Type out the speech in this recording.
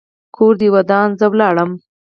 کور دې ودان؛ زه ولاړم.